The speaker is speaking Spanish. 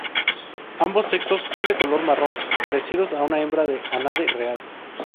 Ambos sexos son de color marrón, parecidos a una hembra de ánade real.